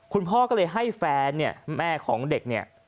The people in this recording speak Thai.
คุณพ่อก็เลยให้แฟนเนี่ยแม่ของเด็กเนี่ย